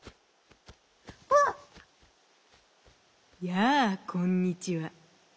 「やあこんにちは。